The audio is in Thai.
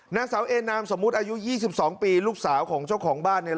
นางสาวเอนามสมมุติอายุ๒๒ปีลูกสาวของเจ้าของบ้านเนี่ย